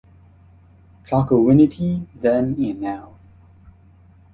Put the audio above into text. Chocowinity Then and Now.